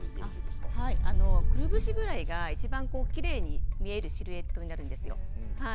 くるぶしぐらいがいちばん、きれいに見えるシルエットになるんですよ。